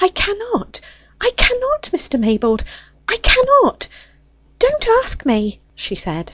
"I cannot, I cannot, Mr. Maybold I cannot! Don't ask me!" she said.